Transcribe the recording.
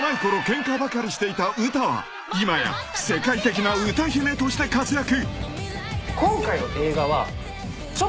ケンカばかりしていたウタは今や世界的な歌姫として活躍］